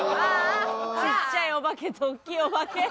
ちっちゃいお化けと大きいお化け。